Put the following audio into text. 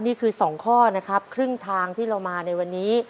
นี่คือ๒ข้อนะครับครึ่งทางที่เรามาในวันนี้